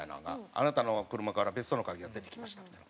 「あなたの車から別荘の鍵が出てきました」みたいな。